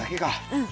うん！